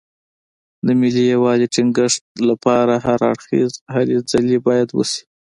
د ملي یووالي ټینګښت لپاره هر اړخیزې هلې ځلې باید وشي.